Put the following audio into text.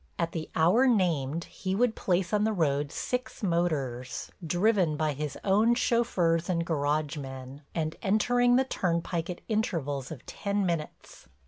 At the hour named he would place on the road six motors, driven by his own chauffeurs and garage men, and entering the turnpike at intervals of ten minutes.